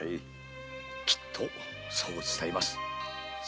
きっとそう伝えます。